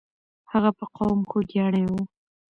هغه په قوم خوګیاڼی وو.